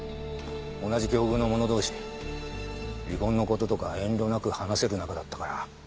同じ境遇の者同士離婚の事とか遠慮なく話せる仲だったから。